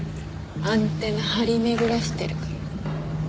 アンテナ張り巡らせてるから。